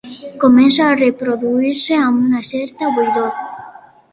Comença a reproduir-se amb una certa buidor.